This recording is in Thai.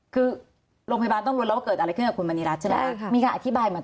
คือโรงพยาบาลต้องรู้แล้วว่าเกิดอะไรขึ้นกับคุณบรรณีรัฐรับ